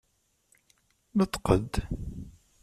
Nṭeq-d!